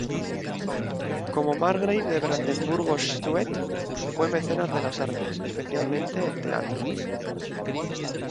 Como "Margrave de Brandeburgo-Schwedt", fue mecenas de las artes, especialmente el teatro.